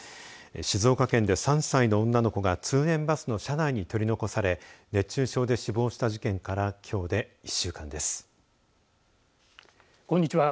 静岡県で３歳の女の子が通園バスの車内に取り残され熱中症で死亡した事件からきょうで１週間です。